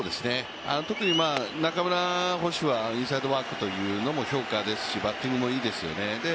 特に中村捕手はインサイドワークというのも評価いいですしバッティングもいいですよね。